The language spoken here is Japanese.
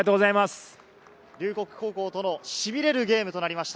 龍谷高校とのしびれるゲームとなりました。